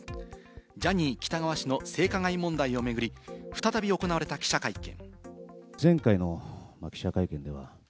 ジャニー喜多川氏の性加害問題を巡り、再び行われた記者会見。